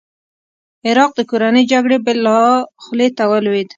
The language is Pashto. عراق د کورنۍ جګړې بلا خولې ته ولوېد.